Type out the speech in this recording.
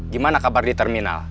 gimana kabar di terminal